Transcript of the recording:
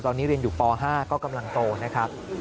ตอนนี้เรียนอยู่ป๕ก็กำลังโตนะครับ